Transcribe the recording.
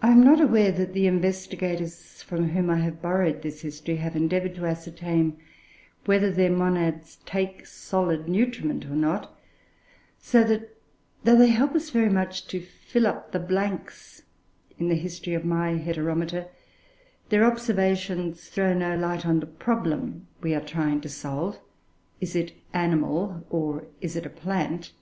I am not aware that the investigators from whom I have borrowed this history have endeavoured to ascertain whether their monads take solid nutriment or not; so that though they help us very much to fill up the blanks in the history of my Heteromita, their observations throw no light on the problem we are trying to solve Is it an animal or is it a plant?